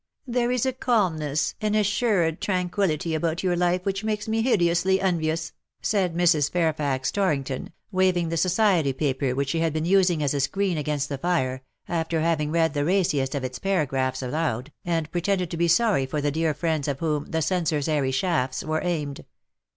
^' There is a calmness — an assured tranquillity about your life which makes me hideously envious,^' 174 "and pale from the past said Mrs. Fairfax Torrington, waving ttie Society paper which she had been using as a screen against the firC; after having read the raciest of its paragraphs aloud; and pretended to be sorry for the dear friends at whom the censor^s airy shafts were aimed.